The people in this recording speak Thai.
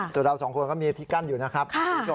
ส่วนเรา๒คนก็มีพิกัณฑ์อยู่นะครับ